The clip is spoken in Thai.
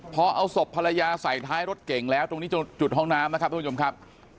พอเอาศพภรรยาใส่ท้ายรถเก่งแล้วตรงนี้จุดห้องน้ำนะครับทุกผู้ชมครับ